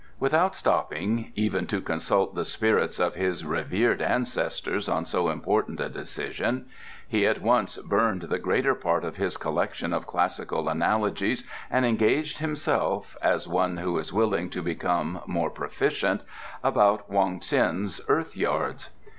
Without stopping even to consult the spirits of his revered ancestors on so important a decision, he at once burned the greater part of his collection of classical analogies and engaged himself, as one who is willing to become more proficient, about Wong Ts'in's earth yards.